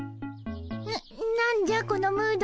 な何じゃこのムードは。